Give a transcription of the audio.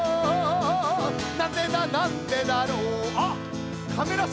なんでだなんでだろうあっカメラさんがいるよ。